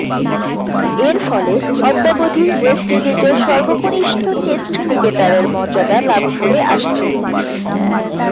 এরফলে অদ্যাবধি ওয়েস্ট ইন্ডিজের সর্বকনিষ্ঠ টেস্ট ক্রিকেটারের মর্যাদা লাভ করে আসছেন।